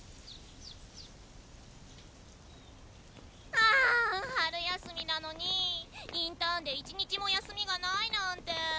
あ春休みなのにぃインターンで１日も休みがないなんてぇ。